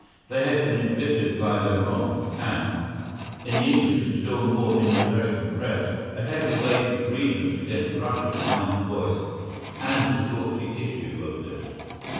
They have been embittered by their wrongs, and, in the English and still more in the American Press, a heavy weight of grievance against Russia finds voice, and distorts the issue of this.